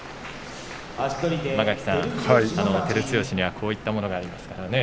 間垣さん、照強にはこういったものがありますからね。